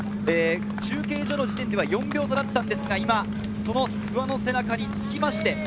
中継所の時点では４秒差だったんですが、今、その不破の背中につきました。